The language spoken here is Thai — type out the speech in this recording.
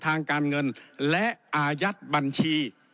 ทางการเงินและอายัดบัญชี